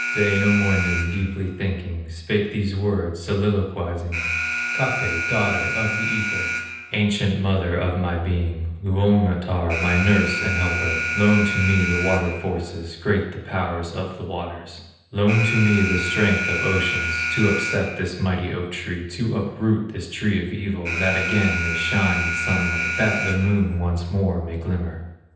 Wainamoinen, deeply thinking, Spake these words soliloquizing: "Kapé, daughter of the Ether, Ancient mother of my being, Luonnotar, my nurse and helper, Loan to me the water forces, Great the powers of the waters; Loan to me the strength of oceans, To upset this mighty oak tree, To uproot this tree of evil, That again may shine the sunlight, That the moon once more may glimmer."